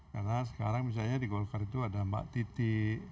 karena sekarang misalnya di golkar itu ada mbak titi